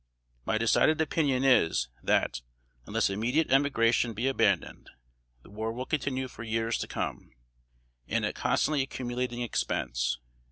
My decided opinion is, that, unless immediate emigration be abandoned, the war will continue for years to come, and at constantly accumulating expense.